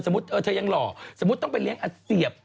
เธอยังหล่อสมมุติต้องไปเลี้ยงอัเสียบ